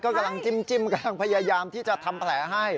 กำลังจิ้มกำลังพยายามที่จะทำแผลให้